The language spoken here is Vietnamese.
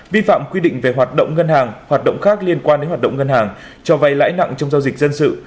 vi phạm quy định về hoạt động ngân hàng hoạt động khác liên quan đến hoạt động ngân hàng cho vay lãi nặng trong giao dịch dân sự